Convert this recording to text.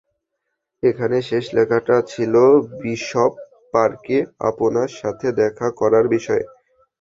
এখানে শেষ লেখাটা ছিল বিশপ পার্কে আপনার সাথে দেখা করার বিষয়ে।